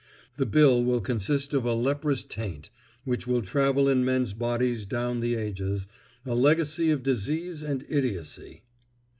The bill will consist of a leprous taint which will travel in men's bodies down the ages; a legacy of disease and idiocy.